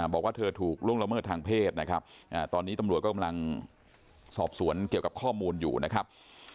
บอกว่าเธอถูกล่วงละเมิดทางเพศนะครับตอนนี้ตำรวจก็กำลังสอบสวนเกี่ยวกับข้อมูลอยู่นะครับ